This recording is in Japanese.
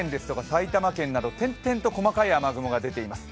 埼玉県など点々と細かい雨雲が出ています。